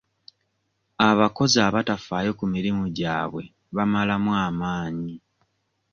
Abakozi abatafaayo ku mirimu gyabwe bamalamu amaanyi.